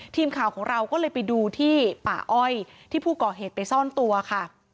ทีมข่าวของเราก็เลยไปดูที่ป่าอ้อยที่ผู้ก่อเหตุไปซ่อนตัวค่ะ